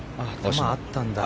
球あったんだ。